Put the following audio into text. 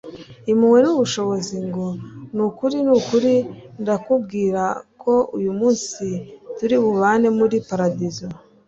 impuhwe n'ubushobozi ngo : Ni ukuri ni ukuri ndakubwira ko uyu munsi turi bubane muri Paradizo.